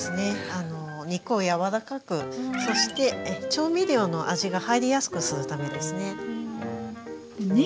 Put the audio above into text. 肉を柔らかくそして調味料の味が入りやすくするためですね。